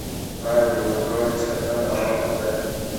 آیا د اورګاډي سفر ارام نه دی؟